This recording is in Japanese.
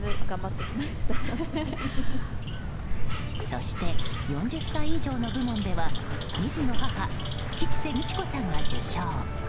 そして４０歳以上の部門では２児の母、吉瀬美智子さんが受賞。